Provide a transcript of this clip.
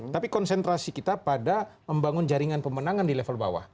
tapi konsentrasi kita pada membangun jaringan pemenangan di level bawah